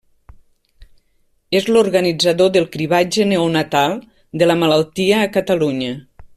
És l'organitzador del cribratge neonatal de la malaltia a Catalunya.